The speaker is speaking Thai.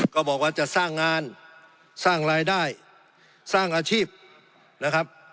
ก็บอกว่าจะสร้างงานสร้างรายได้สร้างอาชีพนะครับ